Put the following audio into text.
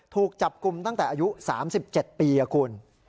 ถูกจับกลุ่มตั้งแต่อายุ๓๗ปีคุณ